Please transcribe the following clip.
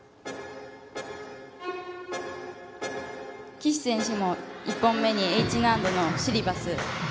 岸選手も１本目にＨ難度のシリバス。